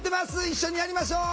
一緒にやりましょう！